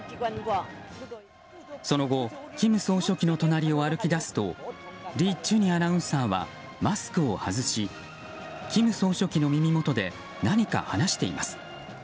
その後金総書記の隣を歩き出すとリ・チュニアナウンサーはマスクを外し金総書記の耳元で何か話しています。